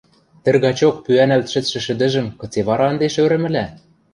Тӹргачок пӱӓнӓлт шӹцшӹ шӹдӹжӹм кыце вара ӹнде шӧрӹмӹлӓ?